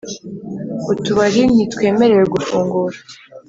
Utubari ntitwemerewe gufungura